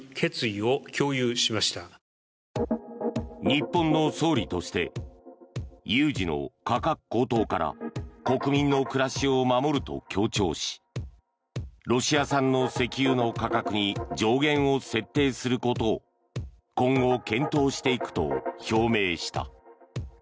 日本の総理として有事の価格高騰から国民の暮らしを守ると強調しロシア産の石油の価格に上限を設定することを今後、検討していくと表明した。